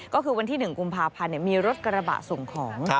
ก็คือวันที่๑กุมภาพันธ์มีรถกระบะส่งของ